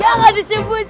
ya gak disebut